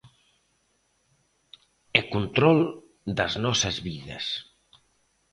E control das nosas vidas.